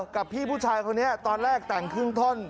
กับพี่ผู้ชายคนนี้ตอนแรกแต่งครึ่งท่อน